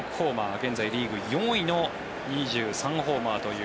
現在、リーグ４位の２３ホーマーという。